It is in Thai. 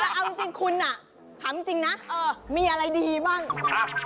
แต่เอาจริงคุณถามจริงนะมีอะไรดีบ้าง